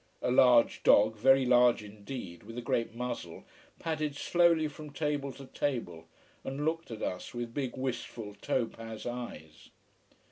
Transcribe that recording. A large dog, very large indeed, with a great muzzle, padded slowly from table to table, and looked at us with big wistful topaz eyes.